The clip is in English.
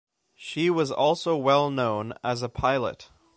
She was also well known as a pilot.